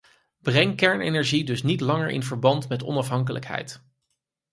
Breng kernenergie dus niet langer in verband met onafhankelijkheid!